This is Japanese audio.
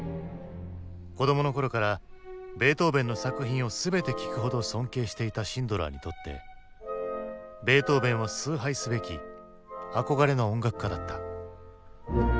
子供の頃からベートーヴェンの作品を全て聴くほど尊敬していたシンドラーにとってベートーヴェンは崇拝すべき憧れの音楽家だった。